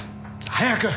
早く。